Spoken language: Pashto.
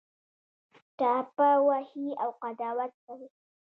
ټاپه وهي او قضاوت کوي